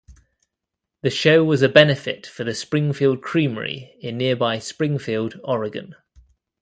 The show was a benefit for the Springfield Creamery in nearby Springfield, Oregon.